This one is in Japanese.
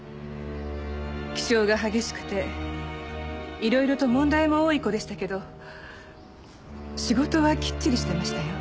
気性が激しくていろいろと問題も多い子でしたけど仕事はきっちりしていましたよ。